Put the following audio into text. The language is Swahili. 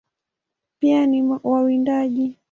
Pia ni wawindaji.